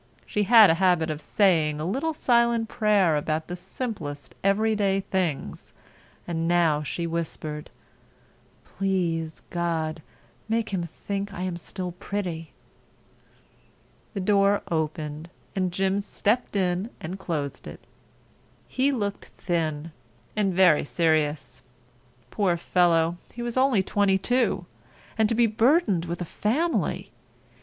She had a habit of saying a little silent prayer about the simplest everyday things, and now she whispered: "Please God, make him think I am still pretty." The door opened and Jim stepped in and closed it. He looked thin and very serious. Poor fellow, he was only twenty two—and to be burdened with a family!